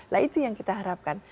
nah itu yang kita harapkan